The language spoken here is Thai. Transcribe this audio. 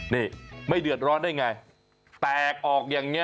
นี่ไม่เดือดร้อนได้ไงแตกออกอย่างนี้